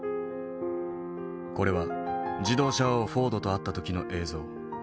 これは自動車王フォードと会った時の映像。